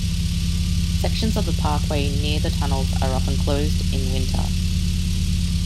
Sections of the parkway near the tunnels are often closed in winter.